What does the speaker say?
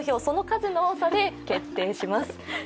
その数の多さで決定します。